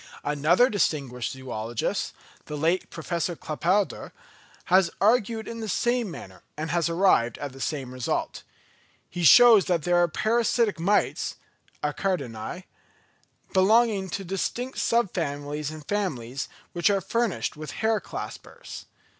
Another distinguished zoologist, the late Professor Claparède, has argued in the same manner, and has arrived at the same result. He shows that there are parasitic mites (Acaridæ), belonging to distinct sub families and families, which are furnished with hair claspers.